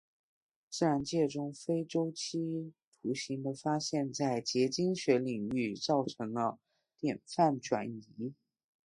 自然界中非周期图形的发现在结晶学领域造成了典范转移。